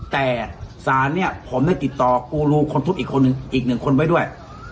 แต่ศาลเนี่ยผมได้ติดต่อกูรูคนทุบอีกคนหนึ่งอีกหนึ่งคนไว้ด้วย